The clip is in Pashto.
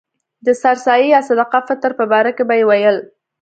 د سر سایې یا صدقه فطر په باره کې به یې ویل.